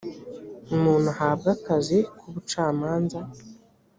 umuntu ahabwe akazi k ubucamanza